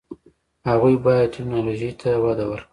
هغوی باید ټیکنالوژي ته وده ورکړي.